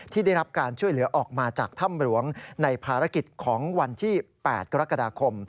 ได้รับการช่วยเหลือออกมาจากถ้ำหลวงในภารกิจของวันที่๘กรกฎาคม